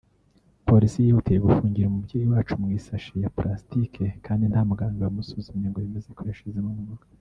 Polisi yihutiye gufungira umubyeyi wacu mu isashe ya Plastic kandi nta muganga wamusuzumye ngo yemeze ko yashizemo umwuka